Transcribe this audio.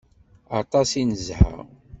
Aṭas i nezha.